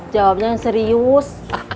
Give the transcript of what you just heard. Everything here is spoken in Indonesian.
jawabnya yang serius